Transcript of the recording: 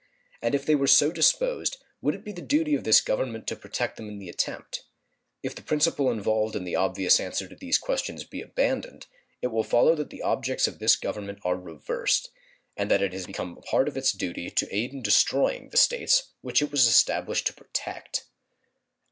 And if they were so disposed would it be the duty of this Government to protect them in the attempt? If the principle involved in the obvious answer to these questions be abandoned, it will follow that the objects of this Government are reversed, and that it has become a part of its duty to aid in destroying the States which it was established to protect.